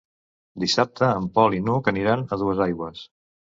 Dissabte en Pol i n'Hug aniran a Duesaigües.